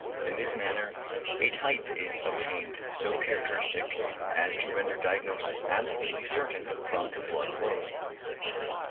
In this manner a type is obtained so characteristic, as to render diagnosis absolutely certain from the blood alone.